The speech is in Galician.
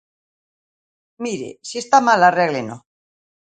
Mire, se está mal, arrégleno.